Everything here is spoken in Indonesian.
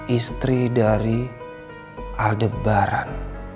istri dari aldebaran